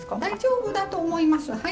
大丈夫だと思います。